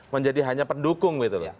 menjadi hanya pendukung gitu loh